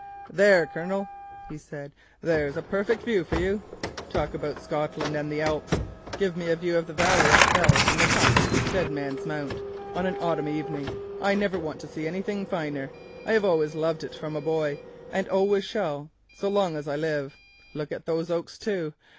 "There, Colonel," he said, "there's a perfect view for you. Talk about Scotland and the Alps! Give me a view of the valley of Ell from the top of Dead Man's Mount on an autumn evening, and I never want to see anything finer. I have always loved it from a boy, and always shall so long as I live—look at those oaks, too.